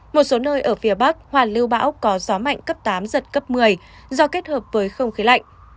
một số nơi ở phía bắc hoàn lưu bão có gió mạnh cấp tám giật cấp một mươi do kết hợp với không khí lạnh